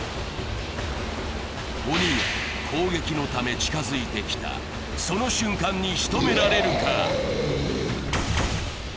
鬼が攻撃のため近づいてきたその瞬間に仕留められるか。